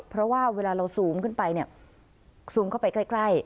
เพราะว่าเวลาเราซูมขึ้นไปซูมเข้าไปใกล้